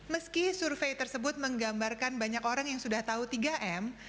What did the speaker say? meski survei tersebut menggambarkan banyak orang yang sudah tahu tiga m